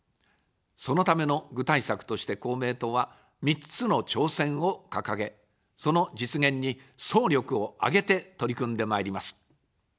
そのための具体策として公明党は、３つの挑戦を掲げ、その実現に総力を挙げて取り組んでまいります。